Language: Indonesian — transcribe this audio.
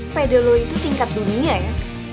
pede lo itu tingkat dunia ya